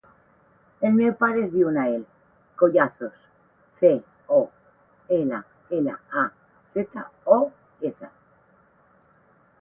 El meu pare es diu Nael Collazos: ce, o, ela, ela, a, zeta, o, essa.